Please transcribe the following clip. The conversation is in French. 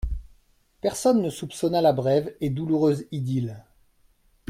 Personne ne soupçonna la brève et douloureuse idylle.